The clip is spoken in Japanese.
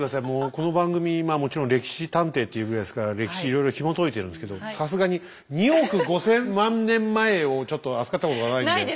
もうこの番組まあもちろん「歴史探偵」っていうぐらいですから歴史いろいろひもといてるんですけどさすがに２億５千万年前をちょっと扱ったことがないんで。